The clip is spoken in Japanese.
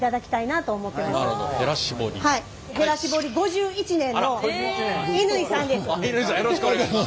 ５１年の乾さんです。